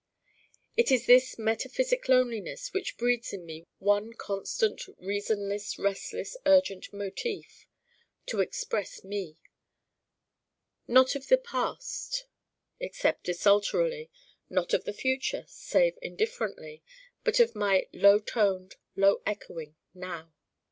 It is this metaphysic loneliness which breeds in me one constant reasonless restless urgent motif: to Express me: not of the past except desultorily, not of the future save indifferently: but of my low toned, low echoing now.